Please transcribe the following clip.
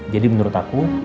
jadi menurut aku